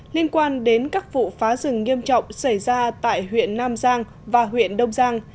liên quan đến các vụ phá rừng nghiêm trọng xảy ra tại huyện nam giang và huyện đông giang